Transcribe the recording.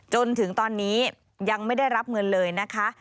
จนถึงตอนนี้ยังไม่ได้รับเงินเลยนะคะ